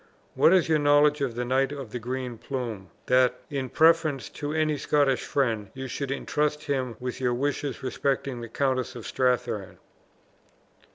What is your knowledge of the Knight of the Green Plume, that, in preference to any Scottish friend, you should intrust him with your wishes respecting the Countess of Strathearn?"